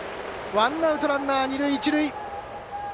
ワンアウト、ランナー、二塁一塁。